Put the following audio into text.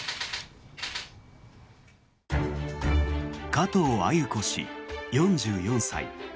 加藤鮎子氏、４４歳。